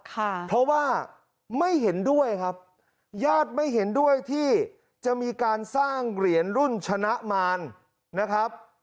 เพราะว่าไม่เห็นด้วยครับญาติไม่เห็นด้วยที่จะมีการสร้างเหรียญรุ่นชนะมารนะครับ